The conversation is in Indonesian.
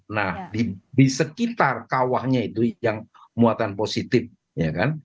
nah di sekitar kawahnya itu yang muatan positif ya kan